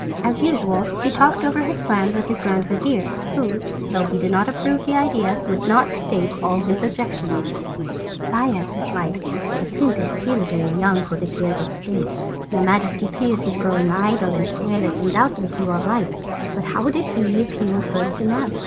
As usual he talked over his plans with his grand vizir, who, though he did not approve the idea, would not state all his objections. "Sire," he replied, "the prince is still very young for the cares of state. Your Majesty fears his growing idle and careless, and doubtless you are right. But how would it be if he were first to marry?